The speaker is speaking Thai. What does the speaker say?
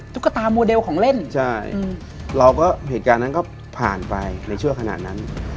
ตุ๊กตาโมเดลของเล่นใช่เราก็เหตุการณ์นั้นก็ผ่านไปในชั่วขณะนั้น